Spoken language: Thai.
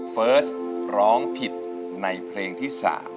เฟิร์สร้องผิดในเพลงที่๓